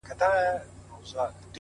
خپل ارزښتونه په عمل وښایئ،